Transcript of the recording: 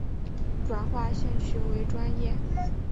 转化兴趣为专业